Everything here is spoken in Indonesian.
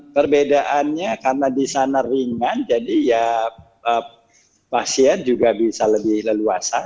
perbedaannya karena di sana ringan jadi ya pasien juga bisa lebih leluasa